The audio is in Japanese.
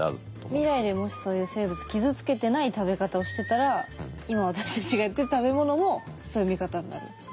未来でもしそういう生物傷つけてない食べ方をしてたら今私たちがやってる食べ物もそういう見方になる。